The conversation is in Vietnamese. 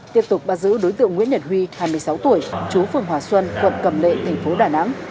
tiếp tục bắt giữ đối tượng nguyễn nhật huy hai mươi sáu tuổi chú phương hòa xuân quận cầm lệ tp đà nẵng